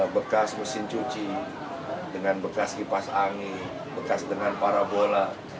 bekas mesin cuci dengan bekas kipas angin bekas dengan parabola